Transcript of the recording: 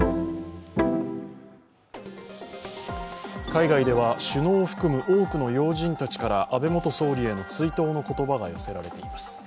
海外では首脳を含む多くの要人たちから安倍元総理への追悼の言葉が寄せられています。